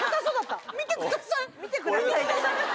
見てください！